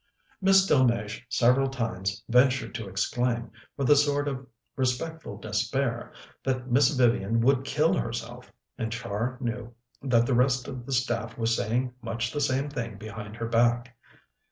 Miss Delmege several times ventured to exclaim, with a sort of respectful despair, that Miss Vivian would kill herself, and Char knew that the rest of the staff was saying much the same thing behind her back.